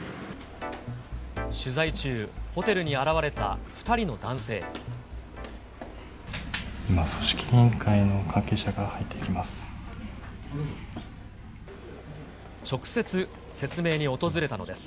取材中、ホテルに現れた２人今、組織委員会の関係者が入っていきます。